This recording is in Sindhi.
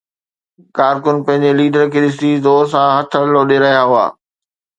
ڪارڪن پنهنجي ليڊر کي ڏسي زور سان هٿ لوڏي رهيا هئا.